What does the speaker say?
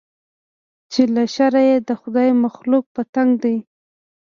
چې له شره یې د خدای مخلوق په تنګ دی